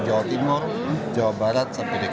jawa timur jawa barat sampai dki